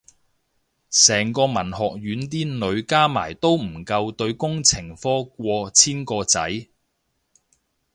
成個文學院啲女加埋都唔夠對工程科過千個仔